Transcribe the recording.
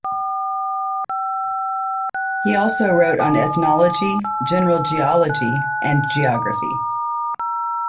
He also wrote on ethnology, general geology, and geography.